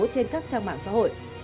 trên các trang mạng xã hội